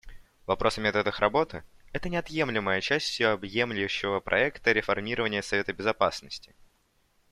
Вопрос о методах работы — это неотъемлемая часть всеобъемлющего проекта реформирования Совета Безопасности.